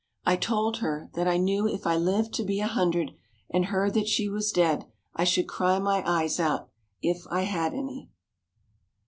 '" I told her that I knew if I lived to be a hundred and heard that she was dead I should cry my eyes out, if I had any.